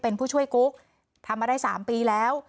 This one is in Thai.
เป็นผู้ช่วยกุ๊กทำมาได้๓ปีแล้ว